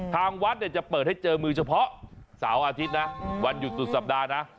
ทางวัดจะเปิดให้เจอมือเฉพาะเสาร์อาทิตย์นะวันหยุดสุดสัปดาห์นะ